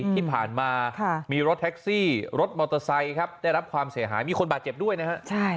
ที่ผ่านมามีรถแท็กซี่รถมอเตอร์ไซค์ครับได้รับความเสียหายมีคนบาดเจ็บด้วยนะครับ